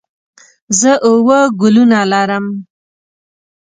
زه اووه ګلونه لرم.